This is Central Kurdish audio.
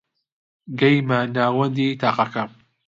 گەیمە ناوەندی تەقەکە